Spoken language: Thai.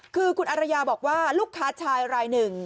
คือคุณอารยาบอกว่าลูกค้าชายรายหนึ่ง